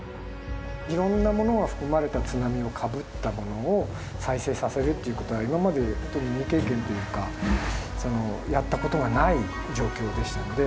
いろんなものが含まれた津波をかぶったものを再生させるということは今ままでほんとに未経験というかやったことがない状況でしたので。